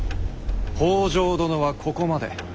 北条殿はここまで。